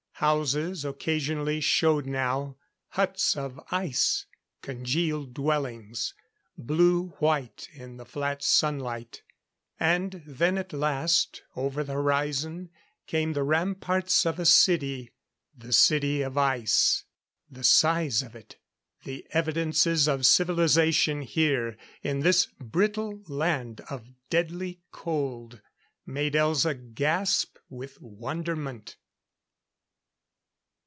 Houses occasionally showed now huts of ice, congealed dwellings, blue white in the flat sunlight. And then at last, over the horizon came the ramparts of a city. The City of Ice! The size of it the evidences of civilization here in this brittle land of deadly cold made Elza gasp with wonderment.